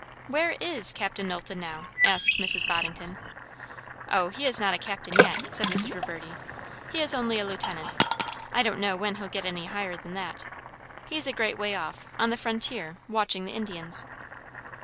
"Where is Captain Knowlton now?" asked Mrs. Boddington. "O, he is not a captain yet," said Mrs. Reverdy. "He is only a lieutenant. I don't know when he'll get any higher than that. He's a great way off on the frontier watching the Indians."